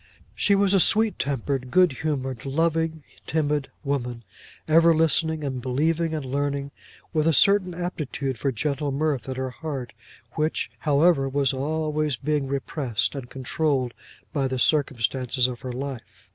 She was a sweet tempered, good humoured, loving, timid woman, ever listening and believing and learning, with a certain aptitude for gentle mirth at her heart which, however, was always being repressed and controlled by the circumstances of her life.